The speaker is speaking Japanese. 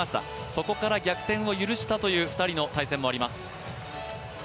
そこから逆転を許したという２人の対戦もあります。